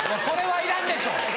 それはいらんでしょ！